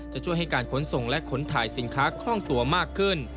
จะช่วยให้การขนส่งและขนถ่ายสินค้าคล่องตัวมากขึ้น